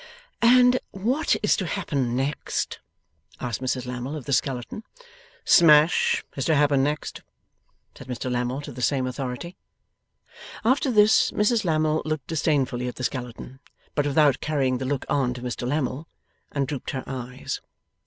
'And what is to happen next?' asked Mrs Lammle of the skeleton. 'Smash is to happen next,' said Mr Lammle to the same authority. After this, Mrs Lammle looked disdainfully at the skeleton but without carrying the look on to Mr Lammle and drooped her eyes.